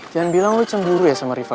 jangan bilang oh cemburu ya sama riva